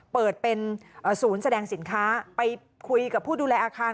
เปิดเป็นศูนย์แสดงสินค้าไปคุยกับผู้ดูแลอาคาร